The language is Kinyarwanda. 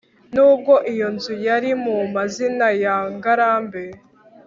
nubwo iyo nzu yari mu mazina ya ngarambe